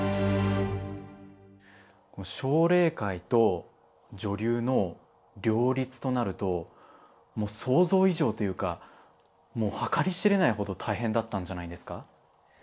奨励会と女流の両立となると想像以上というかもう計り知れないほど大変だったんじゃないんですか？